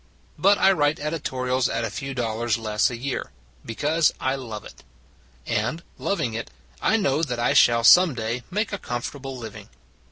But I write editorials at a few dollars less a year, because I love it. And, loving it, I know that I shall some day make a comfortable living.